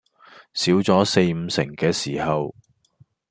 少咗四五成嘅時候